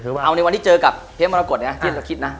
เอาในวันที่เจอกับเพศมรกฎนะครับ